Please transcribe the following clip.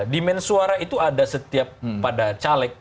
demand suara itu ada setiap pada caleg